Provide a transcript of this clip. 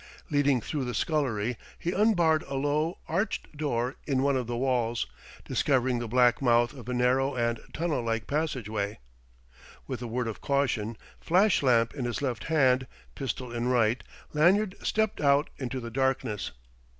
Leading through the scullery, he unbarred a low, arched door in one of the walls, discovering the black mouth of a narrow and tunnel like passageway. With a word of caution, flash lamp in his left hand, pistol in right, Lanyard stepped out into the darkness.